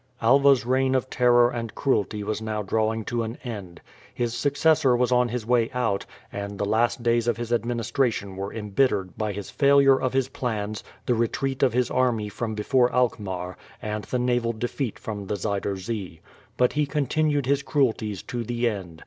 Alva's reign of terror and cruelty was now drawing to an end. His successor was on his way out, and the last days of his administration were embittered by his failure of his plans, the retreat of his army from before Alkmaar, and the naval defeat from the Zuider Zee. But he continued his cruelties to the end.